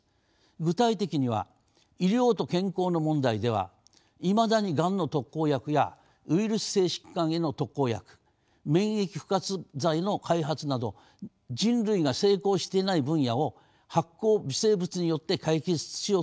具体的には医療と健康の問題ではいまだにがんの特効薬やウイルス性疾患への特効薬免疫賦活剤の開発など人類が成功していない分野を発酵微生物によって解決しようというものであります。